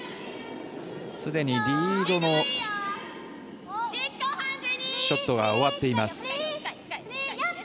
すでにリードのショットが終わっています。